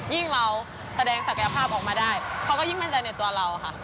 เราแสดงศักยภาพออกมาได้เขาก็ยิ่งมั่นใจในตัวเราค่ะ